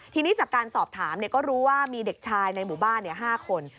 ทีนี้จากการสอบถามก็รู้ว่ามีเด็กชายในหมู่บ้าน๕คน